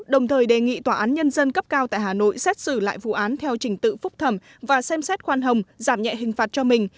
đồng thời đề nghị tòa án nhân dân cấp cao tại hà nội xét xử lại vụ án theo trình tự phúc thẩm và xem xét khoan hồng giảm nhẹ hình phạt cho mình